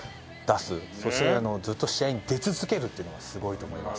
そしてずっと試合に出続けるというのがすごいと思います。